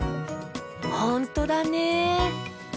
ほんとだね。